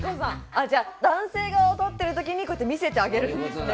あじゃ男性側を撮ってる時にこうやって見せてあげるんですね。